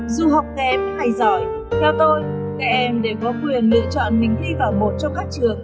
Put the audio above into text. dù học các em hay giỏi theo tôi các em đều có quyền lựa chọn mình thi vào một trong các trường